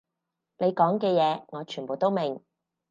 你講嘅嘢我全部都明